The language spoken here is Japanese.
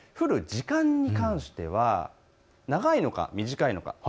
降る時間に関しては長いのか、短いのか。